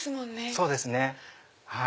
そうですね。